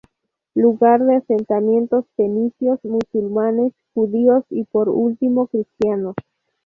Lugar de asentamientos fenicios, musulmanes, judíos y por último cristianos.